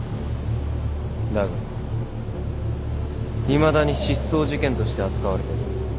だがいまだに失踪事件として扱われてる。